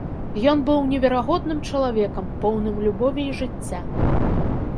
Ён быў неверагодным чалавекам, поўным любові і жыцця.